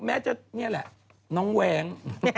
แม่จะนี่แหละน้องแวง